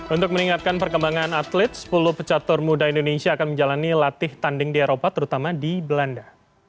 untuk meningkatkan perkembangan atlet sepuluh pecatur muda indonesia akan menjalani latih tanding di eropa terutama di belanda